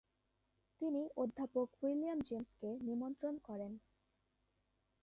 তিনি অধ্যাপক উইলিয়াম জেমসকে নিমন্ত্রণ করেন।